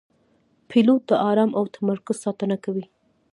پیلوټ د آرام او تمرکز ساتنه کوي.